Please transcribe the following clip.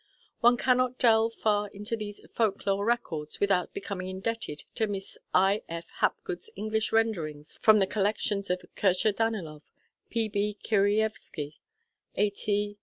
One cannot delve far into these folk lore records without becoming indebted to Miss I. F. Hapgood's English renderings from the collections of Kirshá Danilóv, P. B. Kirýeevsky, A. T.